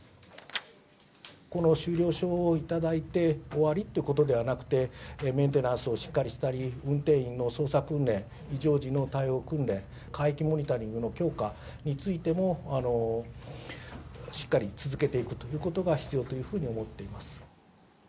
この終了証を頂いて、終わりっていうことではなくて、メンテナンスをしっかりしたり、運転員の操作訓練、異常時の対応訓練、海域モニタリングの強化についても、しっかり続けていくということが必要というふうに思っています。